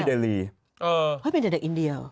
วันนี้เป็นแต่เด็กอินเดียเหรอ